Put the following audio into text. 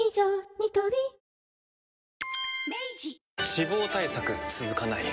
ニトリ脂肪対策続かない